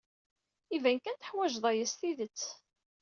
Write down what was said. Iban kan teḥwajed aya s tidet.